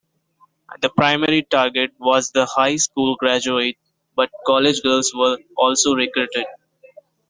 The primary target was the high school graduate but college girls were also recruited.